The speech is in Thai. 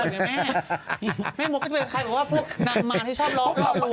ผู้นำมามันที่ชอบเลิกแซมอย่างงี้